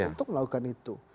untuk melakukan itu